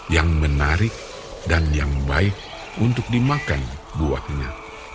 yang menarik dan yang baik untuk dimakan buatnya